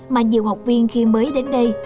mà nhiều học viên khi mới đến đây